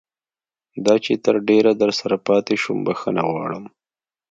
دا چې تر ډېره درسره پاتې شوم بښنه غواړم.